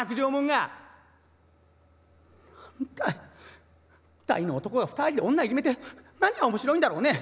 「何だい大の男が２人で女いじめて何が面白いんだろうね。